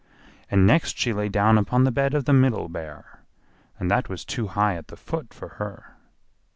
And next she lay down upon the bed of the Middle Bear, and that was too high at the foot for her.